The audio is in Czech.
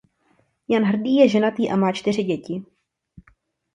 Jan Hrdý je ženatý a má čtyři děti.